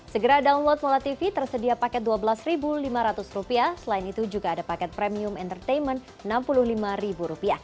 segera download mola tv tersedia paket rp dua belas lima ratus selain itu juga ada paket premium entertainment rp enam puluh lima